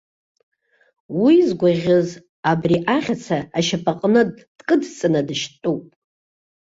Уи згәаӷьыз абри ахьаца ашьапаҟны дкыдҵаны дышьтәуп!